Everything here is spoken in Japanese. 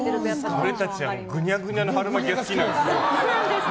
俺たちはグニャグニャの春巻きが好きなんです。